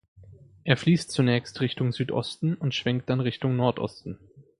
Er fließt zunächst Richtung Südosten und schwenkt dann Richtung Nordosten.